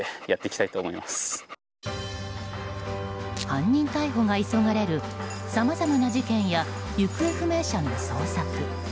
犯人逮捕が急がれるさまざまな事件や行方不明者の捜索。